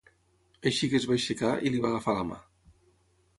Així que es va aixecar i li va agafar la mà.